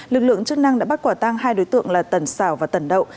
lực lượng chức năng đã bắt quả tang hai đối tượng là tần xảo và tần đậu